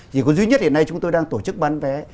chỉ có duy nhất hiện nay chúng tôi đang tổ chức bán vé